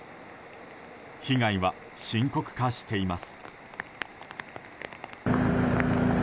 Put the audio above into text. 被害は深刻化しています。